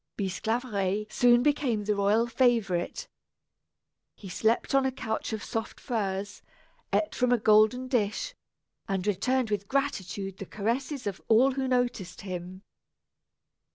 Bisclaveret soon became the royal favorite. He slept on a couch of soft furs, ate from a golden dish, and returned with gratitude the caresses of all who noticed him.